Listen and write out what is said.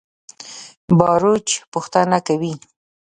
باروچ پوښتنه کوي.